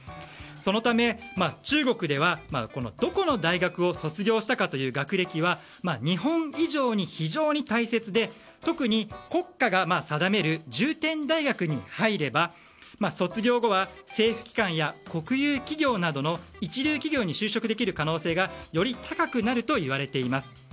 そのため中国では、どこの大学を卒業したかという学歴は日本以上に非常に大切で特に、国家が定める重点大学に入れば卒業後は政府機関や国有企業などの一流企業に就職できる可能性がより高くなるといわれています。